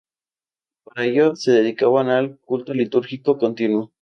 Para ello, se dedicaban al culto litúrgico continuo.